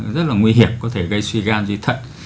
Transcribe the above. rất là nguy hiểm có thể gây suy gan di thận